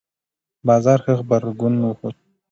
بازار ښه غبرګون وښود.